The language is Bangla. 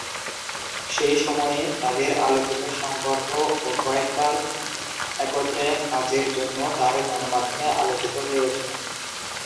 সেই সময়ে তাদের আলোচিত সম্পর্ক ও কয়েকবার একত্রে কাজের জন্য তার গণমাধ্যমে আলোচিত হয়ে ওঠেন।